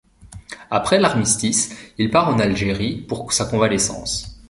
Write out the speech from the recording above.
Après l'Armistice, il part en Algérie pour sa convalescence.